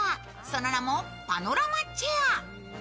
その名もパノラマチェア。